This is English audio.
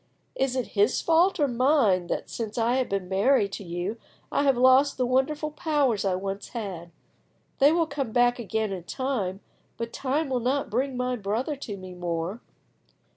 Is it his fault or mine that, since I have been married to you, I have lost the wonderful powers I once had? They will come back again in time, but time will not bring my brother to me more."